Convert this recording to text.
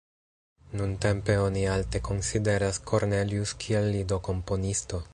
Nuntempe oni alte konsideras Cornelius kiel lido-komponisto.